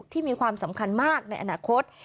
ที่มีความสำคัญมากในอนาคต